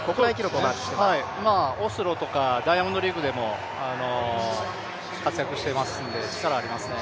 オスロとかダイヤモンドリーグでも活躍していますので、力あります。